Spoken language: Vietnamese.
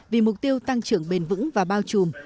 vì mục tiêu tăng trưởng bền vững và bao trùm